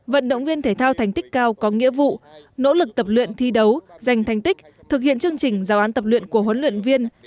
vận động viên thể thao thành tích cao có nghĩa vụ nỗ lực tập luyện thi đấu giành thành tích thực hiện chương trình giáo án tập luyện của huấn luyện viên